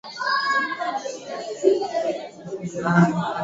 kwenye eneo hilo huakikisha kwamba kila mtu anachukua tahadhari husika